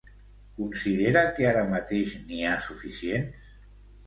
Considera que ara mateix n'hi ha suficients?